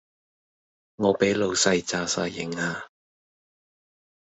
我俾老細炸哂型呀